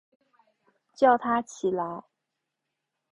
叫他起来